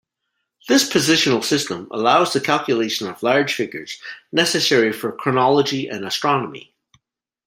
This positional system allows the calculation of large figures, necessary for chronology and astronomy.